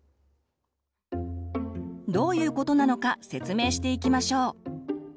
どういうことなのか説明していきましょう。